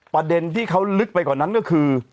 ประเด็นที่เขาลึกไปกว่านั้นก็คือ